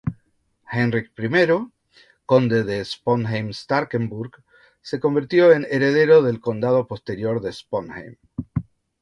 Heinrich I, Conde de Sponheim-Starkenburg se convirtió en heredero del Condado Posterior de Sponheim.